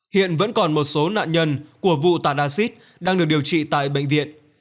hiện vẫn còn một số nạn nhân của vụ tản acid đang được điều trị tại bệnh viện